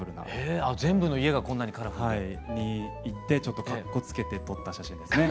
全部の家がこんなにカラフルで。に行ってちょっと格好つけて撮った写真ですね。